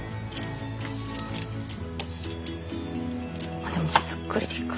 まっでもざっくりでいいか。